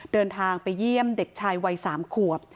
เดินทางไปเยี่ยมเด็กชายวัย๓ขวบ